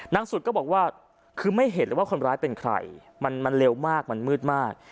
สุดก็บอกว่าคือไม่เห็นเลยว่าคนร้ายเป็นใครมันเร็วมากมันมืดมาก